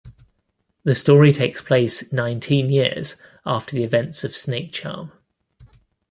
The story takes place nineteen years after the events of "Snakecharm".